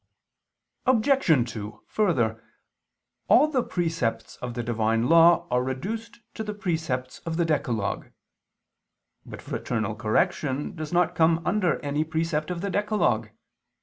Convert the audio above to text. Obj. 2: Further, all the precepts of the Divine Law are reduced to the precepts of the Decalogue. But fraternal correction does not come under any precept of the Decalogue.